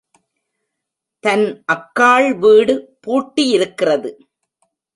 தன் அக்காள் வீடு பூட்டியிருக்கிறது.